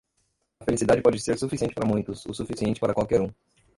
A felicidade pode ser suficiente para muitos, o suficiente para qualquer um.